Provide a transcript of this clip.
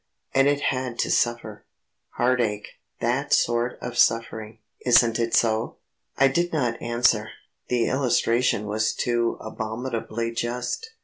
And it had to suffer heartache ... that sort of suffering. Isn't it so?" I did not answer; the illustration was too abominably just.